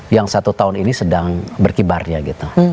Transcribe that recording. yang satu tahun ini sedang berkibarnya gitu